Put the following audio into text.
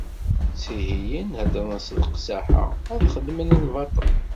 Ttihiyen, heddren s leqsaḥa, ad xedmen lbaṭel.